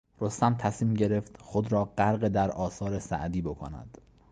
رستم تصمیم گرفت خود را غرق در آثار سعدی بکند.